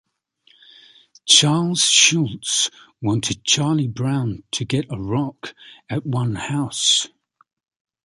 Charles Schulz wanted Charlie Brown to get a rock at one house.